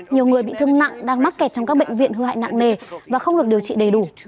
nhiều người bị thương nặng đang mắc kẹt trong các bệnh viện hư hại nặng nề và không được điều trị đầy đủ